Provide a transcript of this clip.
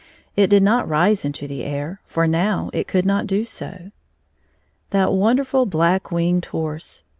It did not rise into the air, for now it could not do so. That wonderM Black Winged Horse.